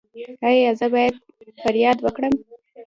ایا زه باید فریاد وکړم؟